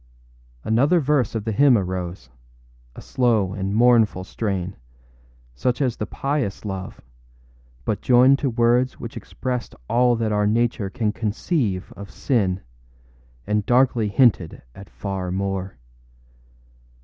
Another verse of the hymn arose, a slow and mournful strain, such as the pious love, but joined to words which expressed all that our nature can conceive of sin, and darkly hinted at far more.